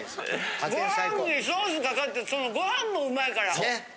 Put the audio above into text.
ご飯にソースかかってそのご飯もうまいから。